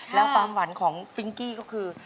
แล้วความหวังของฟิงกี้ก็คือ